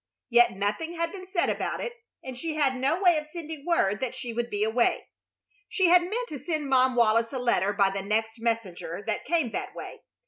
Yet nothing had been said about it, and she had no way of sending word that she would be away. She had meant to send Mom Wallis a letter by the next messenger that came that way.